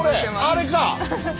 あれか？